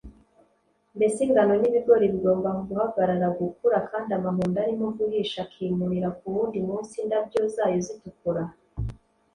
Mbese ingano n’ibigori bigomba guhagarara gukura, kandi amahundo arimo guhisha akimurira ku wundi munsi indabo zayo zitukura?